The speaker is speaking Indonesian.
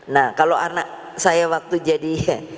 nah kalau anak saya waktu jadi